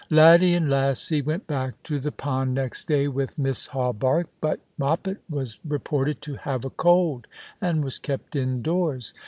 Laddie and Lassie went back to the pond next day with Miss Hawberk; but Moppet was reported to have a cold, and was kept indoors.